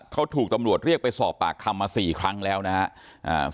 เขาถูกตำรวจเรียกไปสอบปากคำมา๔ครั้งแล้วนะครับ